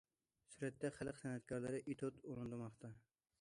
سۈرەتتە: خەلق سەنئەتكارلىرى ئېتۇت ئورۇندىماقتا.